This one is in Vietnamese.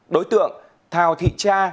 đối tượng thào thị cha